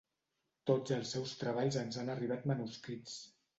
Tots els seus treballs ens han arribat manuscrits.